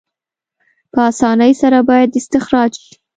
په اسانۍ سره باید استخراج شي.